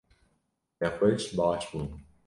Nexweş baş bûn.